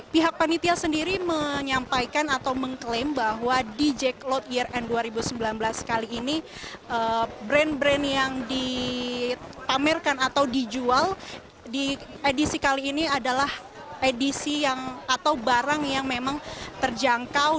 pihak panitia sendiri menyampaikan atau mengklaim bahwa di jack load year end dua ribu sembilan belas kali ini brand brand yang dipamerkan atau dijual di edisi kali ini adalah edisi atau barang yang memang terjangkau